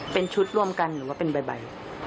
เป็นชุดร่วมกันหรือว่าเป็นใบ